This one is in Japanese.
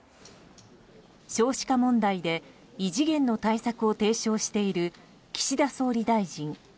少子化問題で異次元の対策を提唱している岸田総理大臣。